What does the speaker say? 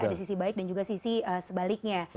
dari sisi baik dan juga sisi sebaliknya